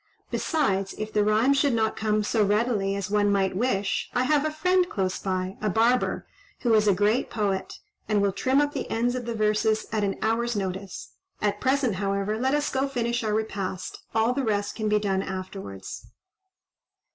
Besides, if the rhymes should not come so readily as one might wish, I have a friend close by, a barber, who is a great poet, and will trim up the ends of the verses at an hour's notice. At present, however, let us go finish our repast; all the rest can be done afterwards."